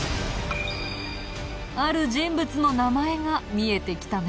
ある人物の名前が見えてきたね。